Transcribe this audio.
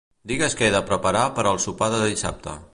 Digues què he de preparar per al sopar de dissabte.